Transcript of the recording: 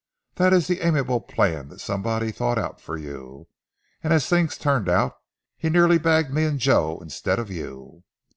That is the amiable plan that somebody thought out for you; and as things turned out he nearly bagged me and Joe instead of you."